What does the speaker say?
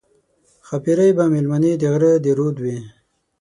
ښاپېرۍ به مېلمنې د غره د رود وي